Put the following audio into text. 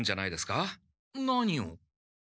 何を？